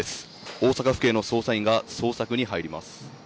大阪府警の捜査員が捜索に入ります。